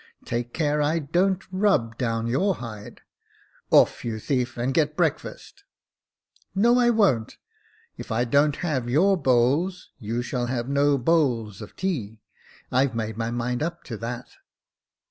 Take care I don't rub down your hide. Off, you thief, and get breakfast." "No, I won't: if I don't have your Botules, you shall have no boivls of tea. I've made my mind up to that."